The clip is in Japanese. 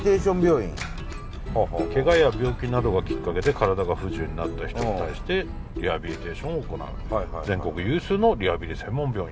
ケガや病気などがきっかけで身体が不自由になった人に対してリハビリテーションを行う全国有数のリハビリ専門病院。